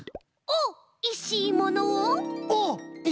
「お」いしいものを！